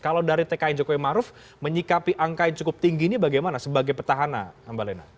kalau dari tkn jokowi maruf menyikapi angka yang cukup tinggi ini bagaimana sebagai petahana mbak lena